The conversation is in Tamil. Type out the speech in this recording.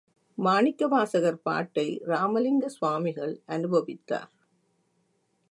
மாணிக்கவாசகர் பாட்டை இராமலிங்க சுவாமிகள் அநுபவித்தார்.